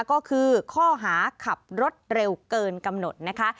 ก็คือข้อหาขับรถเร็วเกินกำหนดนะคะ